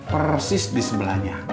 persis di sebelahnya